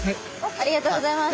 ありがとうございます。